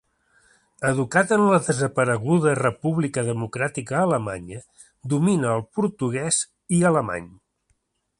Educat en la desapareguda República Democràtica Alemanya, domina el portuguès i alemany.